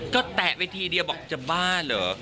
ก็แตะไปทีเดียวบอกจะบ้าเหรอ